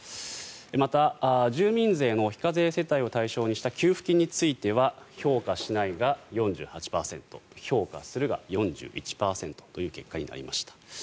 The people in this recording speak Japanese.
また、住民税の非課税世帯を対象とした給付金については評価しないが４８％評価するが４１％という結果になりました。